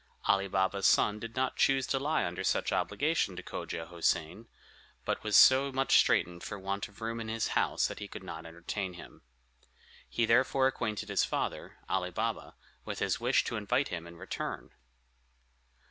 Ali Baba's son did not choose to lie under such obligation to Cogia Houssain; but was so much straitened for want of room in his house that he could not entertain him. He therefore acquainted his father, Ali Baba, with his wish to invite him in return.